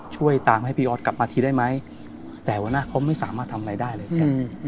ช่วยตามให้พี่ออสกลับมาทีได้ไหมแต่วันนั้นเขาไม่สามารถทำอะไรได้เลยครับ